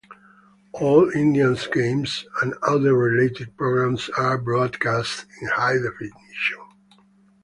All Indians games and other related programs are broadcast in high definition.